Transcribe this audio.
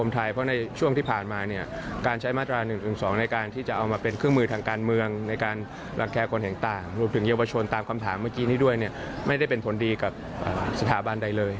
ตามคำถามเมื่อกี้นี้ด้วยไม่ได้เป็นผลดีกับสถาบันใดเลย